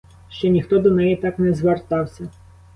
Ще ніхто до неї так не звертався.